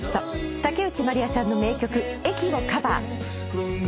竹内まりやさんの名曲『駅』をカバー。